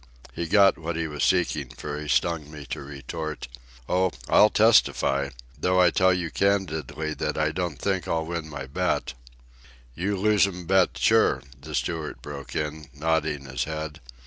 He got what he was seeking, for he stung me to retort: "Oh, I'll testify. Though I tell you candidly that I don't think I'll win my bet." "You loose 'm bet sure," the steward broke in, nodding his head.